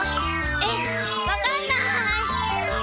えっわかんない。